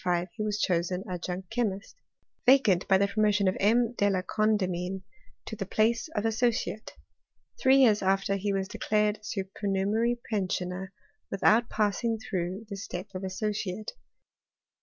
1735 he was chosen adjunct chemist, vacant Vjf r THEORT IN CHEMISTRY. 285 t pbmotion of M. de la Condamine to the place of as I socitte. Three years after he was declared a super ( somerary pensioner, without passing through the step 3 of associate.